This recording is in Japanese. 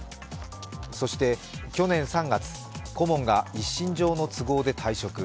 そして、去年３月、顧問が一身上の都合で退職。